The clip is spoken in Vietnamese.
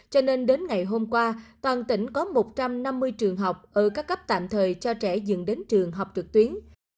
cho nên đến ngày hôm qua toàn tỉnh có một trăm năm mươi trường học ở các cấp tạm thời cho trẻ dừng đến trường học trực tuyến